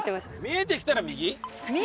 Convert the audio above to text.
見えてきたら右？